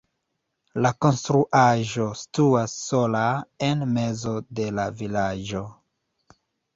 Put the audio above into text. La konstruaĵo situas sola en mezo de la vilaĝo.